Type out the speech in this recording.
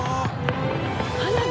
花火？